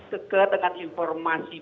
ketika dengan informasi pihak